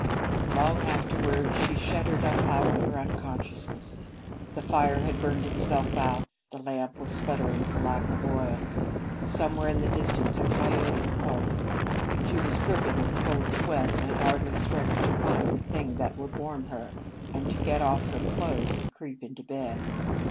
Long afterward, she shuddered up out of her unconsciousness. The fire had burned itself out; the lamp was sputtering for lack of oil. Somewhere in the distance a coyote called. She was dripping with cold sweat, and had hardly strength to find the thing that would warm her and to get off her clothes and creep into bed.